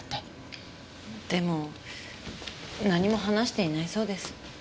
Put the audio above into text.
でも何も話していないそうです。